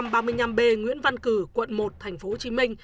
hai mươi năm b nguyễn văn cử quận một tp hcm